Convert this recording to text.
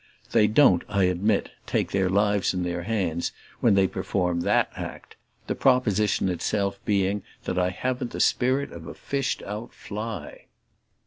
They don't, I admit, take their lives in their hands when they perform that act; the proposition itself being that I haven't the spirit of a fished out fly.)